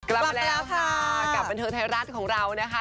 กลับมาแล้วค่ะกับบันเทิงไทยรัฐของเรานะคะ